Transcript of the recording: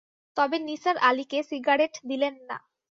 তবে নিসার আলিকে সিগারেট দিলেন না।